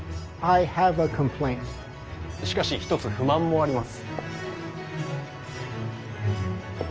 しかしひとつ不満もあります。